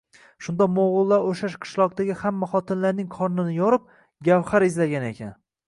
Shunda mo’g’ullar o’sha qishloqdagi hamma xotinlarning qornini yorib, gavhar izlagan ekan.